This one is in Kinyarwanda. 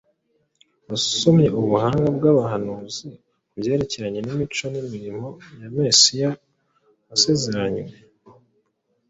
Yasomye ubuhamya bw’abahanuzi ku byerekeranye n’imico n’umurimo bya Mesiya wasezeranywe,